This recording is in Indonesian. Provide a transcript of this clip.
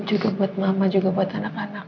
juga buat mama juga buat anak anak